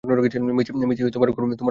মেইসি, তোমার ঘরে ফিরে যাও!